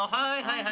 はい